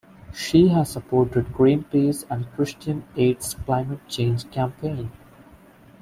She has supported Greenpeace and Christian Aid's climate change campaign.